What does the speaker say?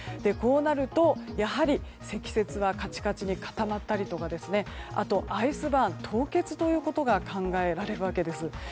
こうなると、やはり積雪はカチカチに固まったりとかアイスバーン、凍結ということが考えられるわけです。